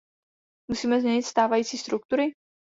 Musíme změnit stávající struktury?